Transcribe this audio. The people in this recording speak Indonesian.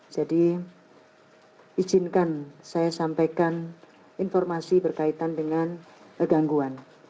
jadi izinkan saya sampaikan informasi berkaitan dengan gangguan